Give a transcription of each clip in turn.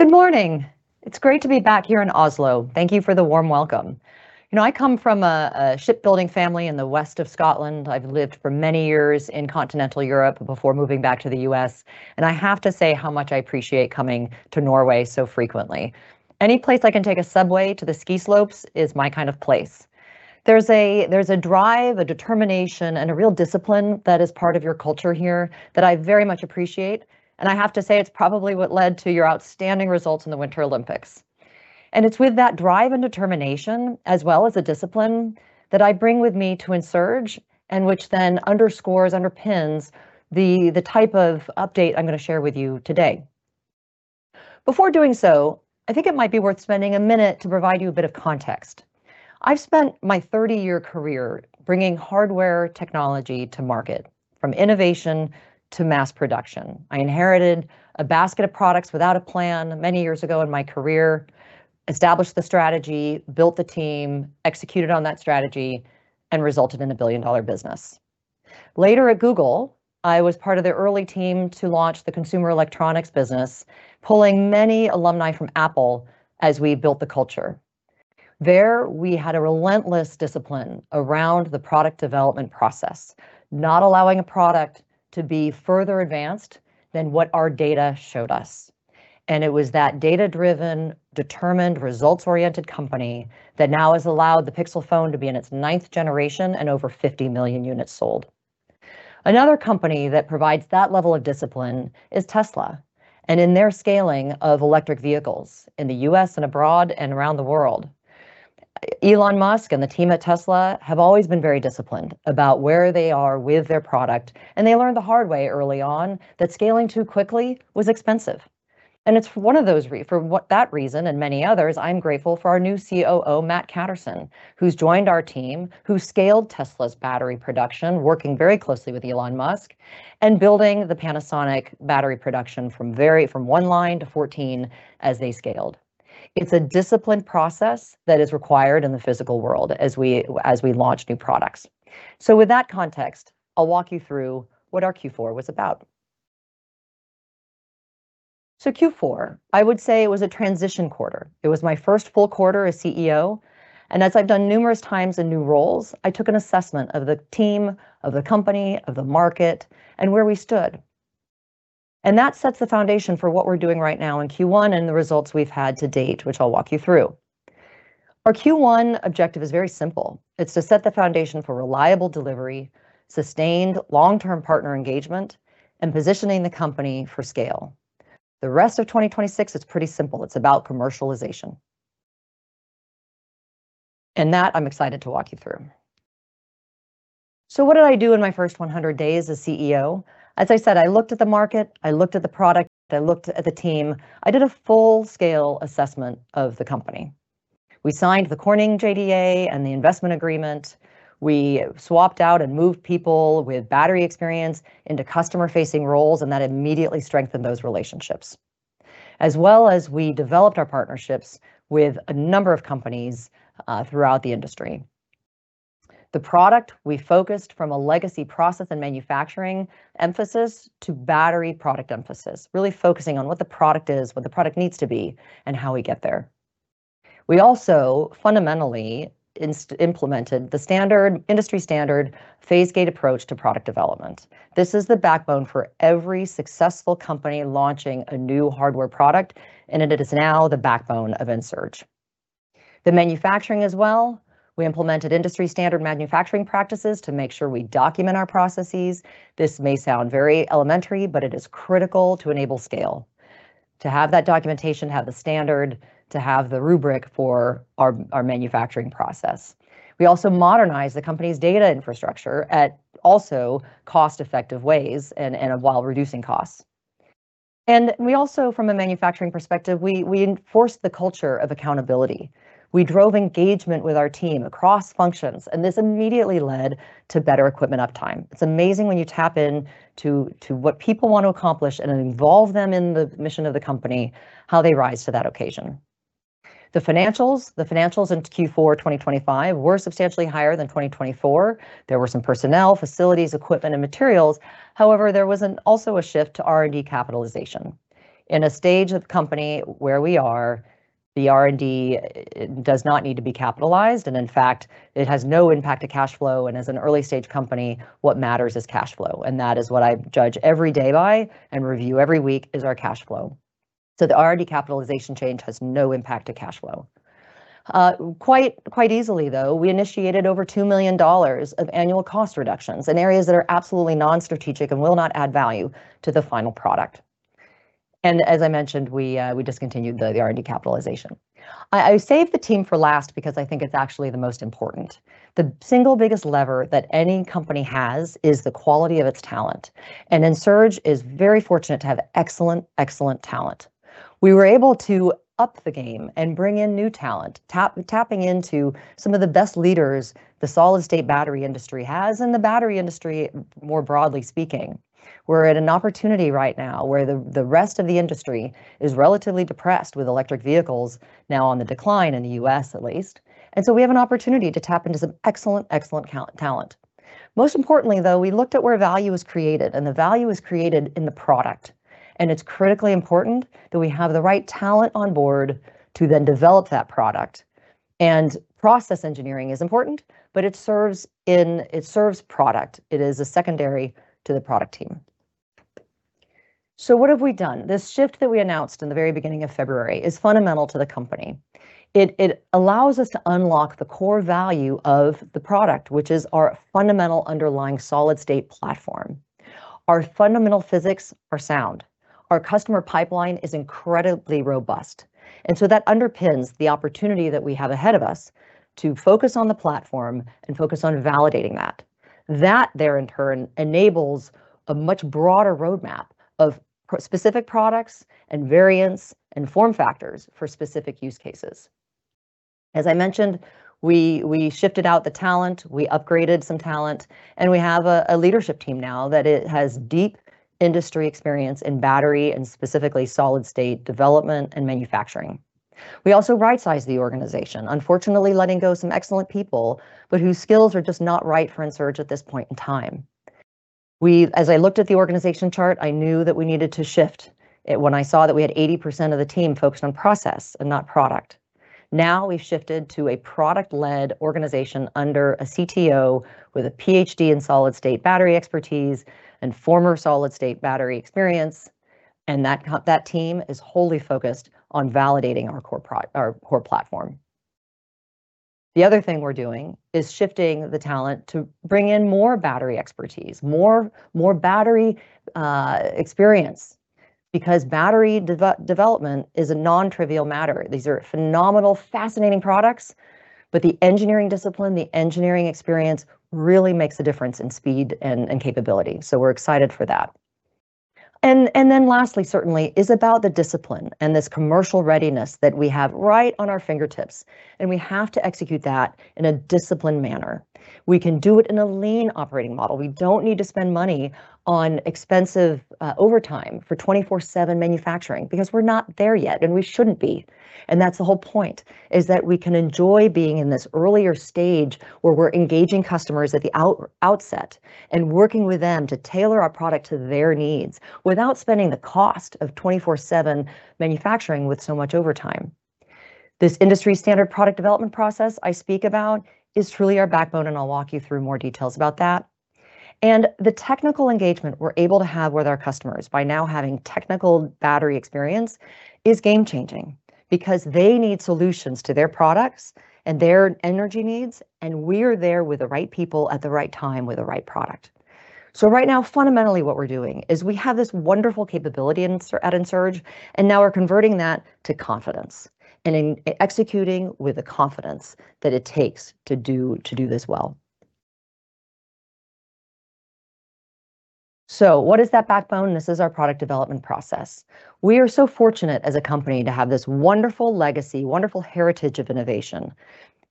Good morning. It's great to be back here in Oslo. Thank you for the warm welcome. You know, I come from a shipbuilding family in the west of Scotland. I've lived for many years in continental Europe before moving back to the U.S. I have to say how much I appreciate coming to Norway so frequently. Any place I can take a subway to the ski slopes is my kind of place. There's a drive, a determination, and a real discipline that is part of your culture here that I very much appreciate. I have to say, it's probably what led to your outstanding results in the Winter Olympics. It's with that drive and determination, as well as a discipline, that I bring with me to Ensurge, and which then underscores, underpins the type of update I'm gonna share with you today. Before doing so, I think it might be worth spending a minute to provide you a bit of context. I've spent my 30-year career bringing hardware technology to market, from innovation to mass production. I inherited a basket of products without a plan many years ago in my career, established the strategy, built the team, executed on that strategy, and resulted in a billion-dollar business. Later, at Google, I was part of the early team to launch the consumer electronics business, pulling many alumni from Apple as we built the culture. It was that data-driven, determined, results-oriented company that now has allowed the Pixel phone to be in its ninth generation and over 50 million units sold. Another company that provides that level of discipline is Tesla, in their scaling of electric vehicles in the U.S. and abroad and around the world. Elon Musk and the team at Tesla have always been very disciplined about where they are with their product, they learned the hard way early on that scaling too quickly was expensive. It's one of those for what that reason, and many others, I'm grateful for our new COO, Matt Catterson, who's joined our team, who scaled Tesla's battery production, working very closely with Elon Musk and building the Panasonic battery production from from one line to 14 as they scaled. It's a disciplined process that is required in the physical world as we, as we launch new products. With that context, I'll walk you through what our Q4 was about. Q4, I would say it was a transition quarter. It was my first full quarter as CEO, and as I've done numerous times in new roles, I took an assessment of the team, of the company, of the market, and where we stood. That sets the foundation for what we're doing right now in Q1 and the results we've had to date, which I'll walk you through. Our Q1 objective is very simple: it's to set the foundation for reliable delivery, sustained long-term partner engagement, and positioning the company for scale. The rest of 2026 is pretty simple. It's about commercialization. That I'm excited to walk you through. What did I do in my first 100 days as CEO? As I said, I looked at the market, I looked at the product, I looked at the team. I did a full-scale assessment of the company. We signed the Corning JDA and the investment agreement. We swapped out and moved people with battery experience into customer-facing roles, and that immediately strengthened those relationships, as well as we developed our partnerships with a number of companies throughout the industry. The product we focused from a legacy process and manufacturing emphasis to battery product emphasis, really focusing on what the product is, what the product needs to be, and how we get there. We also fundamentally implemented the standard, industry-standard phase-gate approach to product development. This is the backbone for every successful company launching a new hardware product, and it is now the backbone of Ensurge. The manufacturing as well, we implemented industry-standard manufacturing practices to make sure we document our processes. This may sound very elementary, but it is critical to enable scale, to have that documentation, have the standard, to have the rubric for our manufacturing process. We also modernized the company's data infrastructure at also cost-effective ways and while reducing costs. We also, from a manufacturing perspective, we enforced the culture of accountability. We drove engagement with our team across functions. This immediately led to better equipment uptime. It's amazing when you tap in to what people want to accomplish and involve them in the mission of the company, how they rise to that occasion. The financials, the financials in Q4 2025 were substantially higher than 2024. There were some personnel, facilities, equipment, and materials. However, there was also a shift to R&D capitalization. In a stage of company where we are, the R&D does not need to be capitalized. In fact, it has no impact to cash flow. As an early-stage company, what matters is cash flow, and that is what I judge every day by and review every week is our cash flow. The R&D capitalization change has no impact to cash flow. Quite, quite easily, though, we initiated over $2 million of annual cost reductions in areas that are absolutely non-strategic and will not add value to the final product. As I mentioned, we discontinued the R&D capitalization. I saved the team for last because I think it's actually the most important. The single biggest lever that any company has is the quality of its talent, and Ensurge is very fortunate to have excellent, excellent talent. We were able to up the game and bring in new talent, tapping into some of the best leaders the solid-state battery industry has and the battery industry, more broadly speaking. We're at an opportunity right now where the rest of the industry is relatively depressed, with electric vehicles now on the decline in the U.S. at least. So we have an opportunity to tap into some excellent, excellent talent. Most importantly, though, we looked at where value is created, and the value is created in the product, and it's critically important that we have the right talent on board to then develop that product. Process engineering is important, but it serves in... it serves product. It is a secondary to the product team. What have we done? This shift that we announced in the very beginning of February is fundamental to the company. It allows us to unlock the core value of the product, which is our fundamental underlying solid-state platform. Our fundamental physics are sound. Our customer pipeline is incredibly robust. That underpins the opportunity that we have ahead of us to focus on the platform and focus on validating that. There in turn, enables a much broader roadmap of specific products and variants and form factors for specific use cases. As I mentioned, we shifted out the talent, we upgraded some talent. We have a leadership team now that it has deep industry experience in battery and specifically solid-state development and manufacturing. We also right-sized the organization, unfortunately, letting go some excellent people. Whose skills are just not right for Ensurge at this point in time. As I looked at the organization chart, I knew that we needed to shift it when I saw that we had 80% of the team focused on process and not product. Now we've shifted to a product-led organization under a CTO with a PhD in solid-state battery expertise and former solid-state battery experience, and that team is wholly focused on validating our core platform. The other thing we're doing is shifting the talent to bring in more battery expertise, more, more battery experience, because battery development is a non-trivial matter. These are phenomenal, fascinating products, but the engineering discipline, the engineering experience really makes a difference in speed and, and capability. So we're excited for that. Then lastly, certainly, is about the discipline and this commercial readiness that we have right on our fingertips, and we have to execute that in a disciplined manner. We can do it in a lean operating model. We don't need to spend money on expensive overtime for 24/7 manufacturing because we're not there yet, and we shouldn't be. That's the whole point, is that we can enjoy being in this earlier stage where we're engaging customers at the outset and working with them to tailor our product to their needs without spending the cost of 24/7 manufacturing with so much overtime. This industry standard product development process I speak about is truly our backbone, and I'll walk you through more details about that. The technical engagement we're able to have with our customers by now having technical battery experience is game-changing because they need solutions to their products and their energy needs, and we're there with the right people at the right time with the right product. Right now, fundamentally, what we're doing is we have this wonderful capability at Ensurge, and now we're converting that to confidence and executing with the confidence that it takes to do this well. What is that backbone? This is our product development process. We are so fortunate as a company to have this wonderful legacy, wonderful heritage of innovation.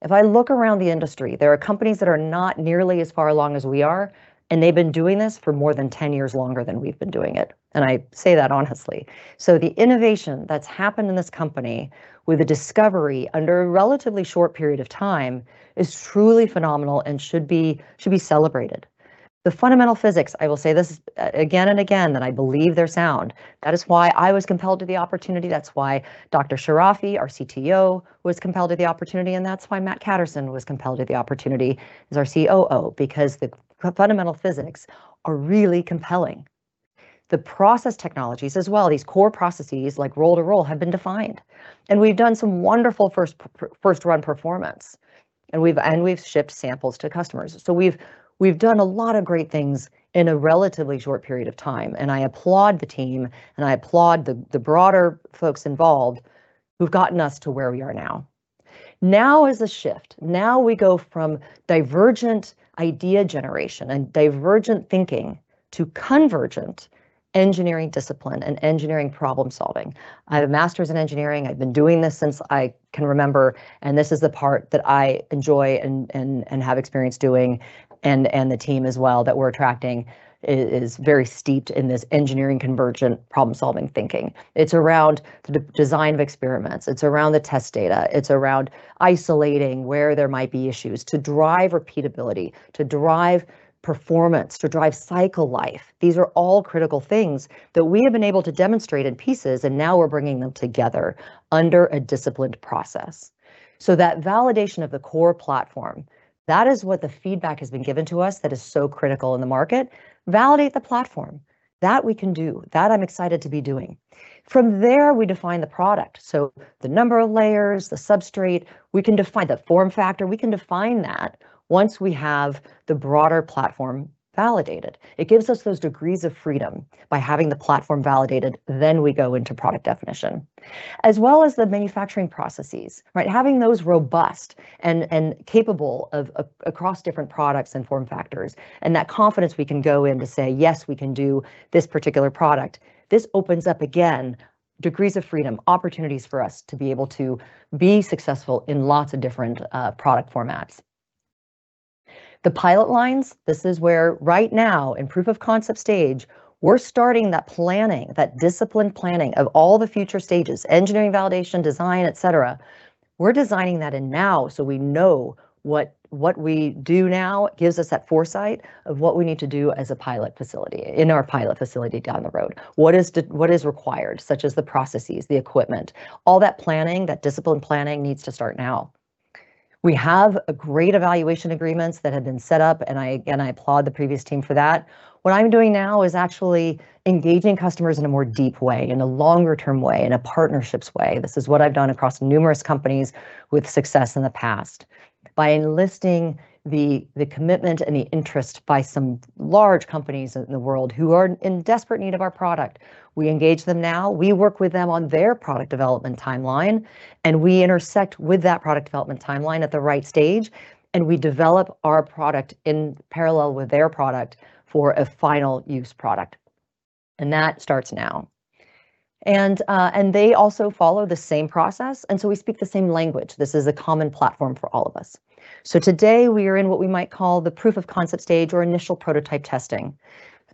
If I look around the industry, there are companies that are not nearly as far along as we are, and they've been doing this for more than 10 years longer than we've been doing it, and I say that honestly. The innovation that's happened in this company with a discovery under a relatively short period of time is truly phenomenal and should be, should be celebrated. The fundamental physics, I will say this again and again, that I believe they're sound. That is why I was compelled to the opportunity, that's why Dr. Sharafi, our CTO, was compelled to the opportunity, and that's why Matt Catterson was compelled to the opportunity as our COO, because the fundamental physics are really compelling. The process technologies as well, these core processes, like roll-to-roll, have been defined, and we've done some wonderful first, first run performance, and we've, and we've shipped samples to customers. We've, we've done a lot of great things in a relatively short period of time, and I applaud the team, and I applaud the, the broader folks involved who've gotten us to where we are now. Now is a shift. Now we go from divergent idea generation and divergent thinking to convergent engineering discipline and engineering problem solving. I have a master's in engineering. I've been doing this since I can remember, this is the part that I enjoy and, and, and have experience doing. And the team as well that we're attracting is very steeped in this engineering convergent problem-solving thinking. It's around the design of experiments. It's around the test data. It's around isolating where there might be issues to drive repeatability, to drive performance, to drive cycle life. These are all critical things that we have been able to demonstrate in pieces, and now we're bringing them together under a disciplined process. That validation of the core platform, that is what the feedback has been given to us that is so critical in the market. Validate the platform. That we can do. That I'm excited to be doing. From there, we define the product, so the number of layers, the substrate. We can define the form factor. We can define that once we have the broader platform validated. It gives us those degrees of freedom by having the platform validated, then we go into product definition. As well as the manufacturing processes, right? Having those robust and capable of across different products and form factors, and that confidence we can go in to say, "Yes, we can do this particular product," this opens up, again, degrees of freedom, opportunities for us to be able to be successful in lots of different product formats. The pilot lines, this is where right now, in proof of concept stage, we're starting that planning, that disciplined planning of all the future stages, engineering, validation, design, et cetera. We're designing that in now, so we know what we do now gives us that foresight of what we need to do as a pilot facility, in our pilot facility down the road. What is required, such as the processes, the equipment, all that planning, that disciplined planning needs to start now. We have a great evaluation agreements that have been set up, and I, again, I applaud the previous team for that. What I'm doing now is actually engaging customers in a more deep way, in a longer-term way, in a partnerships way. This is what I've done across numerous companies with success in the past. By enlisting the commitment and the interest by some large companies in the world who are in desperate need of our product, we engage them now. We work with them on their product development timeline, and we intersect with that product development timeline at the right stage, and we develop our product in parallel with their product for a final use product, and that starts now. They also follow the same process, and so we speak the same language. This is a common platform for all of us. Today, we are in what we might call the proof of concept stage or initial prototype testing.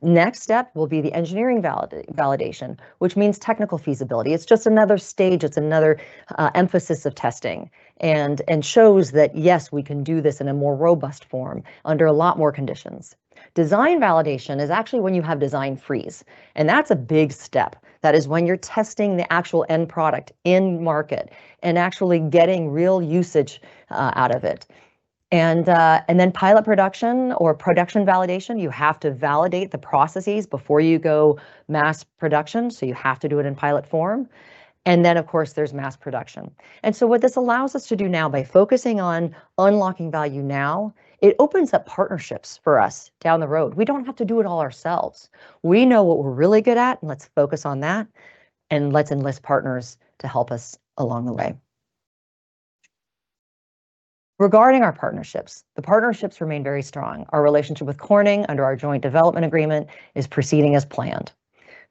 Next step will be the engineering validation, which means technical feasibility. It's just another stage. It's another emphasis of testing, and shows that, yes, we can do this in a more robust form under a lot more conditions. Design validation is actually when you have design freeze, and that's a big step. That is when you're testing the actual end product in market and actually getting real usage, out of it. Then pilot production or production validation, you have to validate the processes before you go mass production, so you have to do it in pilot form. Then, of course, there's mass production. What this allows us to do now, by focusing on unlocking value now, it opens up partnerships for us down the road. We don't have to do it all ourselves. We know what we're really good at, and let's focus on that, and let's enlist partners to help us along the way. Regarding our partnerships, the partnerships remain very strong. Our relationship with Corning under our joint development agreement is proceeding as planned.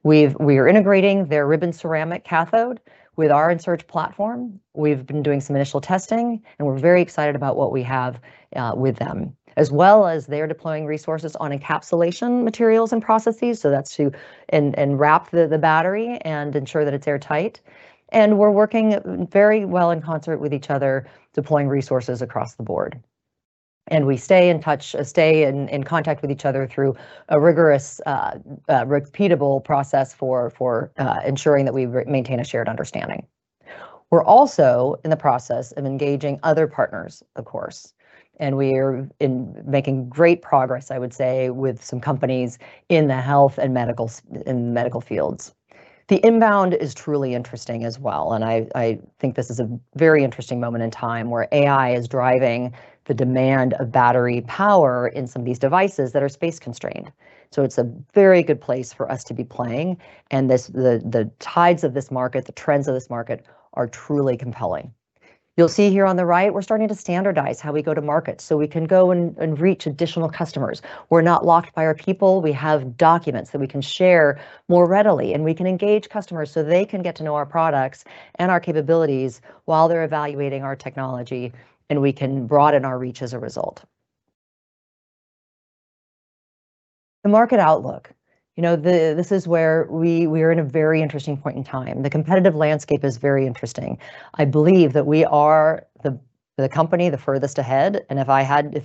We are integrating their Ribbon Ceramic cathode with our Ensurge platform. We've been doing some initial testing, and we're very excited about what we have with them, as well as they're deploying resources on encapsulation materials and processes, so that's to enwrap the battery and ensure that it's airtight. We're working very well in concert with each other, deploying resources across the board. We stay in touch, stay in contact with each other through a rigorous, repeatable process for ensuring that we maintain a shared understanding. We're also in the process of engaging other partners, of course, we are making great progress, I would say, with some companies in the medical fields. The inbound is truly interesting as well, and I think this is a very interesting moment in time where AI is driving the demand of battery power in some of these devices that are space-constrained. It's a very good place for us to be playing, and the tides of this market, the trends of this market, are truly compelling. You'll see here on the right, we're starting to standardize how we go to market, so we can go and reach additional customers. We're not locked by our people. We have documents that we can share more readily, and we can engage customers so they can get to know our products and our capabilities while they're evaluating our technology, and we can broaden our reach as a result. The market outlook. You know, this is where we are in a very interesting point in time. The competitive landscape is very interesting. I believe that we are the company the furthest ahead, and if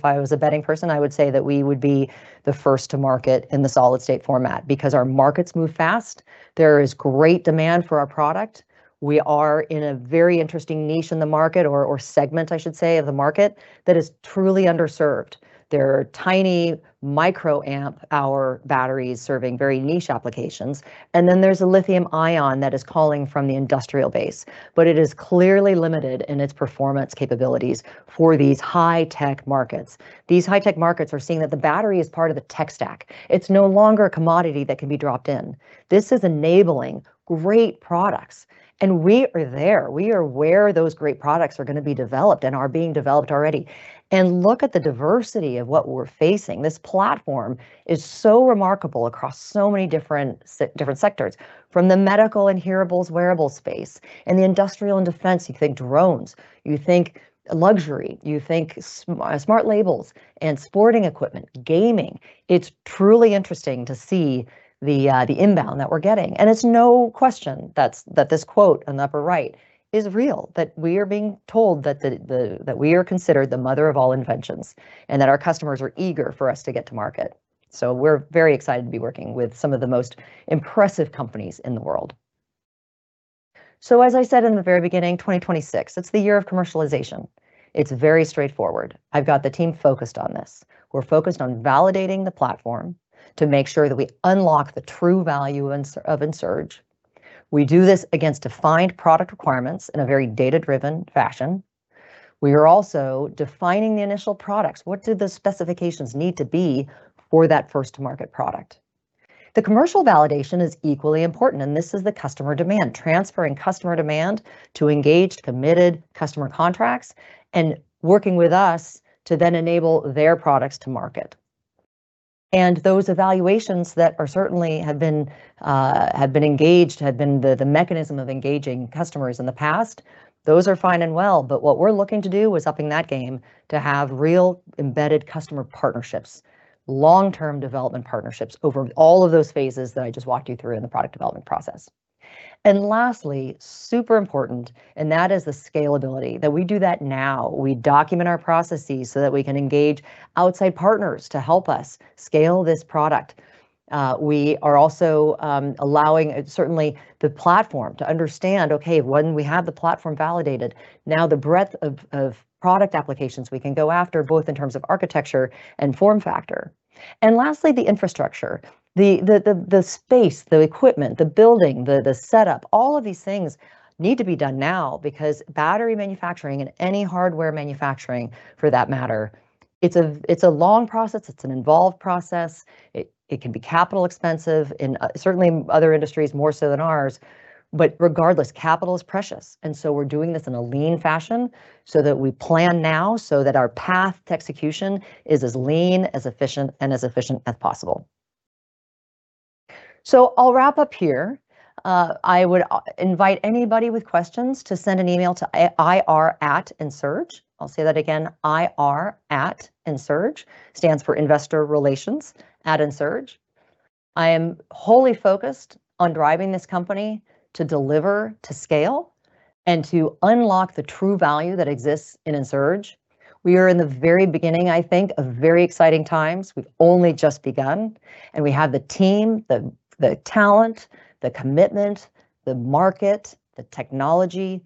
I was a betting person, I would say that we would be the first to market in the solid-state format because our markets move fast. There is great demand for our product. We are in a very interesting niche in the market or segment, I should say, of the market that is truly underserved. There are tiny microamp-hour batteries serving very niche applications, and then there's a lithium-ion that is calling from the industrial base. It is clearly limited in its performance capabilities for these high-tech markets. These high-tech markets are seeing that the battery is part of the tech stack. It's no longer a commodity that can be dropped in. This is enabling great products, and we are there. We are where those great products are gonna be developed and are being developed already. Look at the diversity of what we're facing. This platform is so remarkable across so many different sectors, from the medical and hearables, wearable space, and the industrial and defense. You think drones, you think luxury, you think smart labels and sporting equipment, gaming. It's truly interesting to see the inbound that we're getting, and it's no question that's, that this quote on the upper right is real, that we are being told that the, that we are considered the mother of all inventions and that our customers are eager for us to get to market. We're very excited to be working with some of the most impressive companies in the world. As I said in the very beginning, 2026, it's the year of commercialization. It's very straightforward. I've got the team focused on this. We're focused on validating the platform to make sure that we unlock the true value of Ensurge. We do this against defined product requirements in a very data-driven fashion. We are also defining the initial products. What do the specifications need to be for that first-to-market product? The commercial validation is equally important, and this is the customer demand, transferring customer demand to engaged, committed customer contracts and working with us to then enable their products to market. Those evaluations that are certainly have been, have been engaged, have been the, the mechanism of engaging customers in the past, those are fine and well. What we're looking to do is upping that game to have real embedded customer partnerships, long-term development partnerships over all of those phases that I just walked you through in the product development process. Lastly, super important, and that is the scalability, that we do that now. We document our processes so that we can engage outside partners to help us scale this product. We are also, allowing, certainly the platform to understand, okay, when we have the platform validated, now the breadth of, of product applications we can go after, both in terms of architecture and form factor. Lastly, the infrastructure, the, the, the, the space, the equipment, the building, the, the setup, all of these things need to be done now because battery manufacturing and any hardware manufacturing, for that matter, it's a, it's a long process. It's an involved process. It, it can be capital-expensive, in, certainly other industries, more so than ours. Regardless, capital is precious, and so we're doing this in a lean fashion so that we plan now so that our path to execution is as lean, as efficient, and as efficient as possible. I'll wrap up here. I would invite anybody with questions to send an email to ir@ensurge. I'll say that again, ir@ensurge. Stands for Investor Relations at Ensurge. I am wholly focused on driving this company to deliver, to scale, and to unlock the true value that exists in Ensurge. We are in the very beginning, I think, of very exciting times. We've only just begun, and we have the team, the talent, the commitment, the market, the technology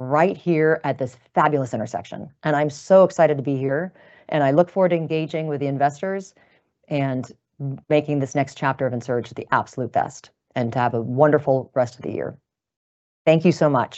right here at this fabulous intersection. I'm so excited to be here, and I look forward to engaging with the investors and making this next chapter of Ensurge the absolute best, and to have a wonderful rest of the year. Thank you so much!